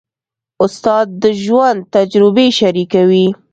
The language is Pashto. استاد د ژوند تجربې شریکوي.